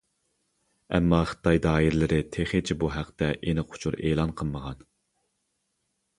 ئەمما خىتاي دائىرىلىرى تېخىچە بۇ ھەقتە ئېنىق ئۇچۇر ئېلان قىلمىغان.